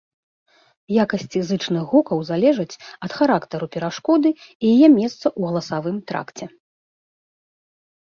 Якасці зычных гукаў залежаць ад характару перашкоды і яе месца ў галасавым тракце.